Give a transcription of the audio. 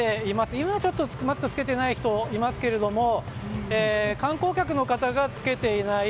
今はちょっと、マスクを着けていない人もいますが観光客の方が着けていない。